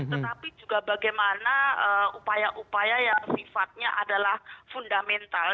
tetapi juga bagaimana upaya upaya yang sifatnya adalah fundamental